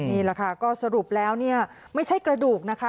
นี่แหละค่ะก็สรุปแล้วเนี่ยไม่ใช่กระดูกนะคะ